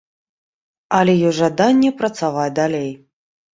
Але ёсць жаданне працаваць далей.